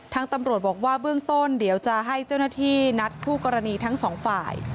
ทางตำรวจบอกว่าเบื้องต้นเดี๋ยวจะให้เจ้าหน้าที่นัดคู่กรณีทั้งสองฝ่าย